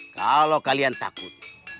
kalau kalian takut